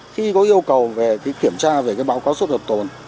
khi có yêu cầu về kiểm tra về cái báo cáo xuất hợp tồn